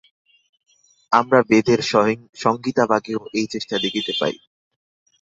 আমরা বেদের সংহিতাভাগেও এই চেষ্টা দেখিতে পাই।